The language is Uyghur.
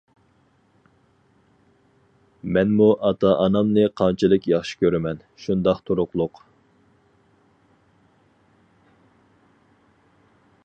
مەنمۇ ئاتا ئانامنى قانچىلىك ياخشى كۆرىمەن. شۇنداق تۇرۇقلۇق.